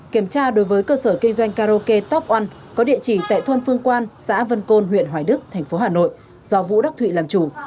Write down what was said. kiểm tra đối với cơ sở kinh doanh karaoke top oan có địa chỉ tại thôn phương quan xã vân côn huyện hoài đức thành phố hà nội do vũ đắc thụy làm chủ